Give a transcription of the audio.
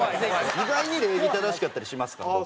意外に礼儀正しかったりしますから僕。